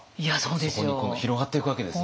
そこに今度広がっていくわけですね。